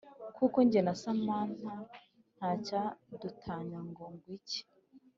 kuko njye na samantha ntacyadutanya ngo ngwiki